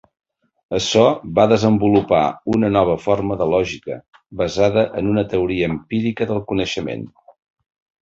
Açò va desenvolupar una nova forma de lògica, basada en una teoria empírica del coneixement.